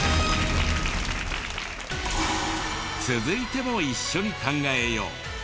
続いても一緒に考えよう！